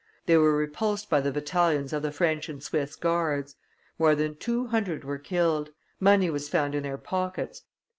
They were repulsed by the battalions of the French and Swiss guards. More than two hundred were killed. Money was found in their pockets.